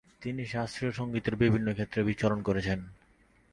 তিনি শাস্ত্রীয় সংগীতের বিভিন্ন ক্ষেত্রে বিচরণ করেছেন।